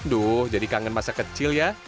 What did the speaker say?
aduh jadi kangen masa kecil ya